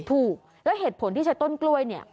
ถูกแล้วเหตุผลที่ใช้ต้นกล้วยเนี่ย